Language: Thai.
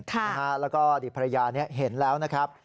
แล้วก็อดีตภรรยาเห็นแล้วนะครับ